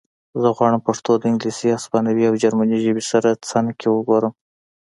زه غواړم پښتو د انګلیسي هسپانوي او جرمنۍ ژبې سره څنګ کې وګورم